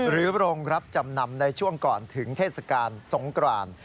โรงรับจำนำในช่วงก่อนถึงเทศกาลสงกราน